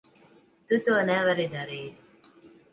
Tu to nevari darīt.